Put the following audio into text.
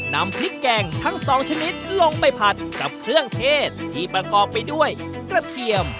นำพริกแกงทั้งสองชนิดลงไปผัดกับเครื่องเทศที่ประกอบไปด้วยกระเทียม